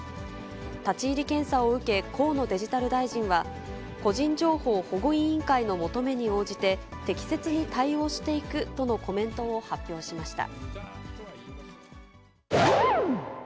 立ち入り検査を受け、河野デジタル大臣は、個人情報保護委員会の求めに応じて、適切に対応していくとのコメントを発表しました。